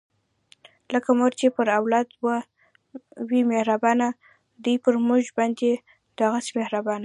لکه مور چې پر اولاد وي مهربانه، دی پر مونږ باندې دغهسې مهربانه